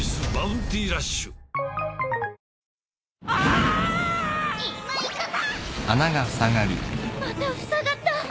またふさがった！